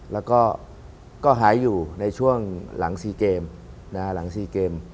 แล้วก็หายอยู่ในช่วงหลัง๔เกม